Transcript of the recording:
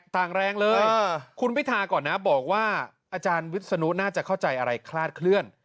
ต่างแรงเลยคุณพิธาก่อนนะบอกว่าอาจารย์วิศนุน่าจะเข้าใจอะไรคลาดเคลื่อน